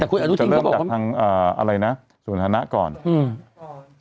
แต่คุยแบบนู้นจริงเขาบอกว่าจะเริ่มจากทั้งเอ่ออะไรนะส่วนธนะก่อนอืม